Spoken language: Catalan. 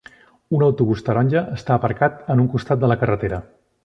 Un autobús taronja està aparcat en un costat de la carretera.